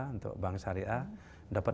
untuk bank syariah dapat